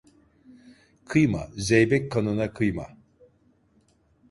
Kıyma, zeybek kanına kıyma…